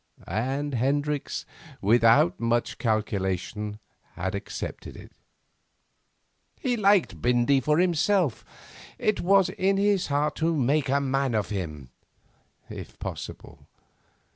And Hendricks, without much calculation, had accepted it. He liked 'Bindy' for himself. It was in his heart to 'make a man of him,' if possible.